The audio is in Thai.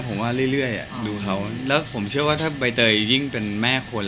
ผมว่าเรื่อยดูเขาแล้วผมเชื่อว่าถ้าใบเตยยิ่งเป็นแม่คน